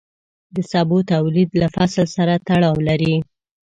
د سبو تولید له فصل سره تړاو لري.